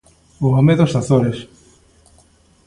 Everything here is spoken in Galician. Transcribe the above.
O home dos Azores.